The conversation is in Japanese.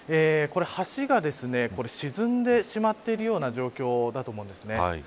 橋が沈んでしまっているような状況だと思うんです。